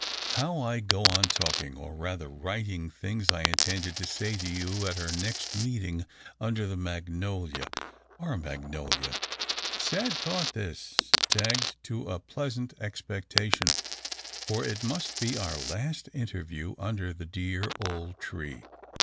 "How I go on talking, or rather writing, things I intended to say to you at our next meeting tinder the magnolia our magnolia! Sad thought this, tagged to a pleasant expectation: for it must be our last interview under the dear old tree.